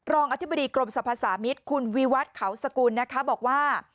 อธิบดีกรมสรรพสามิตรคุณวิวัฒน์เขาสกุลนะคะบอกว่า